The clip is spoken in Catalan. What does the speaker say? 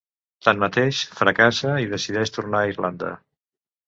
Tanmateix, fracassa i decideix tornar a Irlanda.